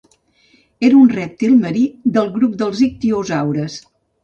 Era un rèptil marí del grup dels ictiosaures.